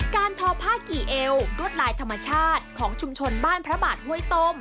ทอผ้ากี่เอวรวดลายธรรมชาติของชุมชนบ้านพระบาทห้วยต้ม